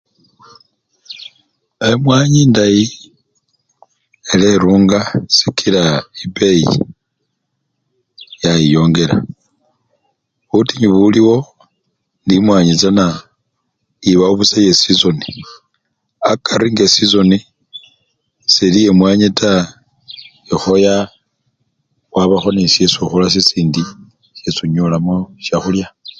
Emwanyi endayi ela erunga sikila ebeyi yayiyongela, butinyu buliwo, indi emwani chana ebabusa yesizoni, akari nga esizoni seli yemwanyi taa, ekhoya wabakho nesyesi okhola sisindi syesi onyolamo syakhulya.